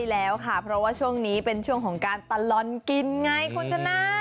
แล้วค่ะเพราะว่าช่วงนี้เป็นช่วงของการตลอดกินไงคุณชนะ